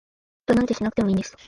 フタなんてしなくてもいいんです